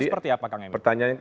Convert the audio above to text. itu seperti apa kang emil